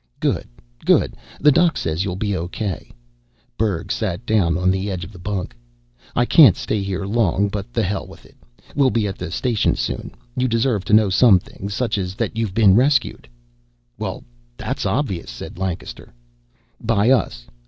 "Good, good. The doc says you'll be okay." Berg sat down on the edge of the bunk. "I can't stay here long, but the hell with it. We'll be at the station soon. You deserve to know some things, such as that you've been rescued." "Well, that's obvious," said Lancaster. "By us.